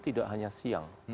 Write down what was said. tidak hanya siang